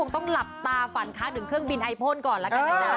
ต้องหลับตาฝันค้าถึงเครื่องบินไอพ่นก่อนแล้วกันนะจ๊ะ